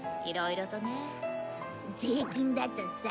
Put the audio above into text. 税金だとさ。